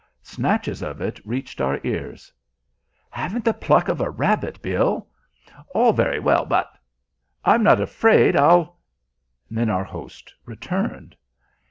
Snatches of it reached our ears. "... haven't the pluck of a rabbit, Bill." "... all very well, but " "I'm not afraid, I'll " Then our host returned.